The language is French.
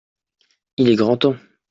il est grand temps.